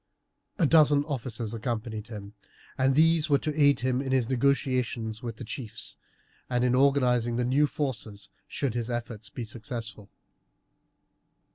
A dozen officers accompanied him; these were to aid him in his negotiations with the chiefs, and in organizing the new forces, should his efforts be successful.